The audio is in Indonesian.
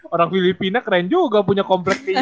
orang filipina keren juga punya komplek kayak di jakarta